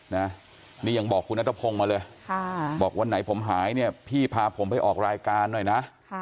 นี่ยังบอกคุณนัทพงศ์มาเลยบอกวันไหนผมหายเนี่ยพี่พาผมไปออกรายการหน่อยนะ